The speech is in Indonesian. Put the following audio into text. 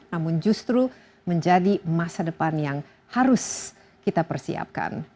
namun justru menjadi masa depan yang harus kita persiapkan